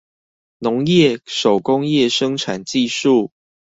農業、手工業生產技術